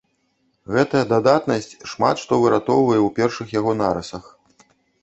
Гэтая дадатнасць шмат што выратоўвае ў першых яго нарысах.